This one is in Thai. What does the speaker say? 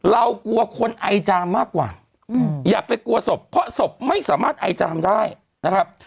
เรากลัวคนไอจามมากกว่าอย่าไปกลัวศพเพราะศพไม่สามารถไอจามได้นะครับ